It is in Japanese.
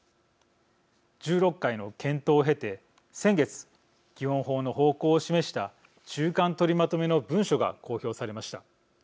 １６回の検討を経て先月、基本法の方向を示した中間取りまとめの文書が公表されました。